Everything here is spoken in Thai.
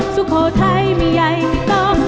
สุโขทัยไม่ใหญ่ไม่ต้อง